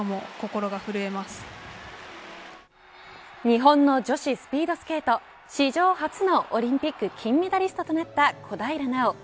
日本の女子スピードスケート史上初のオリンピック金メダリストとなった小平奈緒。